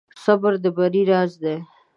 صبر د بری راز دی.